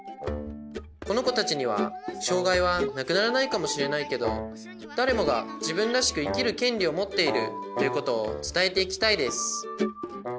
このこたちにはしょうがいはなくならないかもしれないけど「だれもがじぶんらしくいきるけんりをもっている」ということをつたえていきたいです